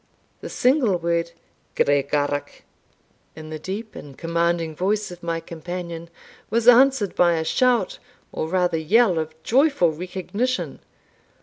The single word Gregaragh, in the deep and commanding voice of my companion, was answered by a shout, or rather yell, of joyful recognition.